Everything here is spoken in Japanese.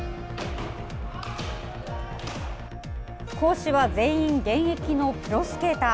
講師は全員現役のプロスケーター。